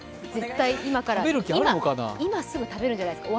今すぐ食べるんじゃないですか。